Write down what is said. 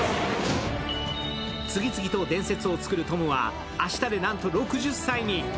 次々と伝説を作るトムは、明日でなんと６０歳に。